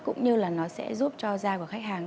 cũng như là nó sẽ giúp cho da của khách hàng